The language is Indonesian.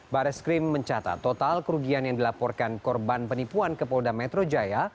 baris krim mencatat total kerugian yang dilaporkan korban penipuan ke polda metro jaya